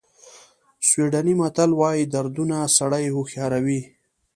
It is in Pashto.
سویډني متل وایي دردونه سړی هوښیاروي.